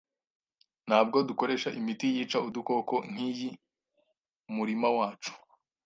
Ntabwo dukoresha imiti yica udukoko nkiyi murima wacu.